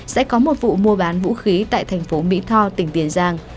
sẽ có một vụ mua bán vũ khí tại thành phố mỹ tho tỉnh tiền giang